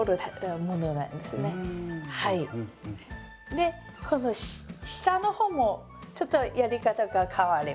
でこの下の方もちょっとやり方が変わります。